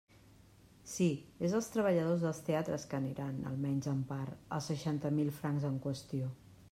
Sí, és als treballadors dels teatres que aniran, almenys en part, els seixanta mil francs en qüestió.